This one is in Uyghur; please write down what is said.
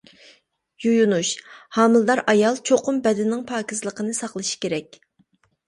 يۇيۇنۇش: ھامىلىدار ئايال چوقۇم بەدىنىنىڭ پاكىزلىقىنى ساقلىشى كېرەك.